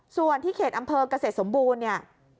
ส่วนที่เขตอำเภอกเกษตรสมบูรณ์เนี่ย